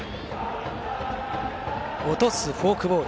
落とすフォークボール